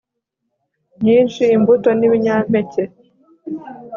nyinshi imbuto nibinyampeke